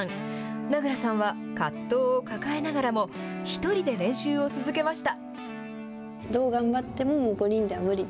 名倉さんは葛藤を抱えながらも、１人で練習を続けました。